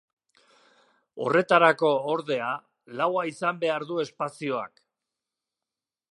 Horretarako, ordea, laua izan behar du espazioak.